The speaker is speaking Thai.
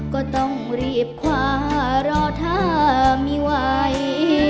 ก็ต้องรีบคว้ารอถ้าไม่ไหว